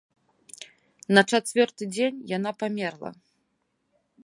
На чацвёрты дзень яна памерла.